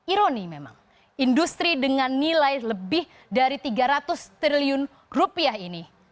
ironi memang industri dengan nilai lebih dari tiga ratus triliun rupiah ini